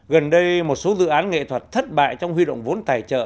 gần đây một số dự án nghệ thuật thất bại trong huy động vốn tài trợ